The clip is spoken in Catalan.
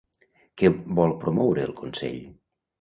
Què vol promoure el Consell?